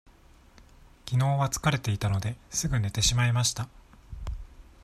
きのうは疲れていたので、すぐ寝てしまいました。